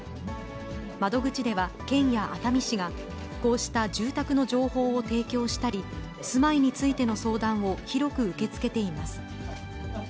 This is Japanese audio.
窓口では県や熱海市が、こうした住宅の情報を提供したり、住まいについての相談を広く受け付けています。